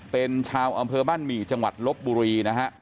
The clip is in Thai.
เป็นชาวอำเภอบ้านหมี่จังหวัดลบบุรีนะฮะ